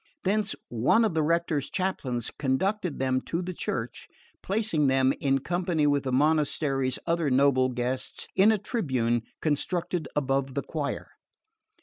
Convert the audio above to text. Thence one of the rector's chaplains conducted them to the church, placing them, in company with the monastery's other noble guests, in a tribune constructed above the choir.